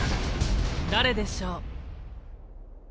⁉誰でしょう。